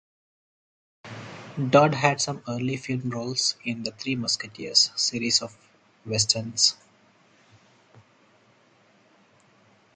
Dodd had some early film roles in "The Three Mesquiteers" series of westerns.